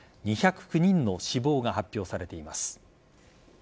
２０９人の死亡が発表されています。